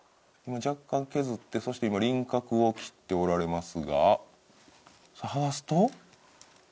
若干削ってそして今輪郭を切っておられますが剥がすと？